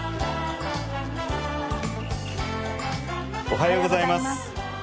おはようございます。